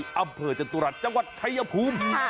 อำเภอจตุรัสจังหวัดชายภูมิ